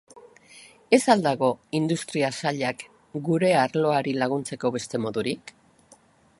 Ez al dago Industria Sailak gure arloari laguntzeko beste modurik?